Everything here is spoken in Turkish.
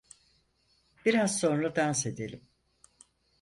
Biraz sonra dans edelim!